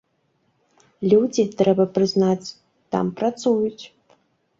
Людзі, трэба, прызнаць, там працуюць.